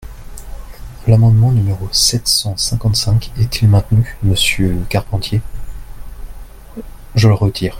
L’amendement numéro sept cent cinquante-cinq est-il maintenu, monsieur Carpentier ? Je le retire.